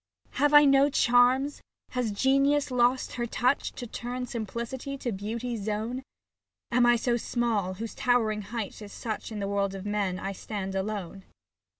Have I no charms ? has genius lost her touch To turn simplicity to beauty's zone ? Am I so small, whose towering height is such That in the world of men I stand alone?